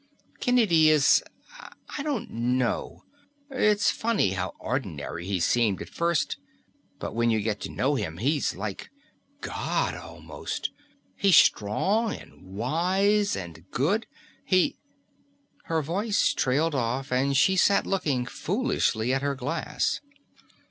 Kennedy is I don't know. It's funny how ordinary he seemed at first. But when you get to know him, he's like God, almost. He's strong and wise and good. He " Her voice trailed off and she sat looking foolishly at her glass.